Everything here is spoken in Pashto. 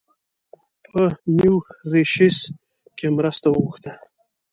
په میوریشیس کې مرسته وغوښته.